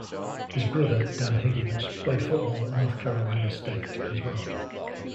His brother, Dan Higgins, played football at North Carolina State, as well.